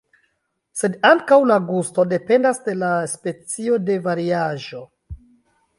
Sed ankaŭ la gusto dependas de la specio kaj variaĵo.